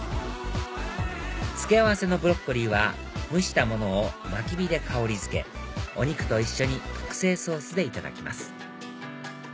付け合わせのブロッコリーは蒸したものを薪火で香りづけお肉と一緒に特製ソースでいただきます